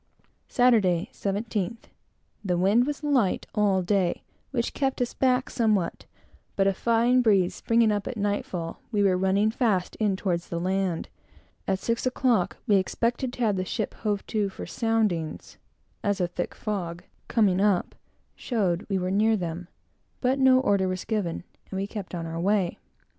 Saturday, 17th. The wind was light all day, which kept us back somewhat; but a fine breeze springing up at nightfall, we were running fast in toward the land. At six o'clock we expected to have the ship hove to for soundings, as a thick fog, coming up showed we were near them; but no order was given, and we kept on our way.